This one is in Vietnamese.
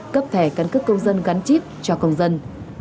cấp thẻ căn cước công dân gắn chip cho công dân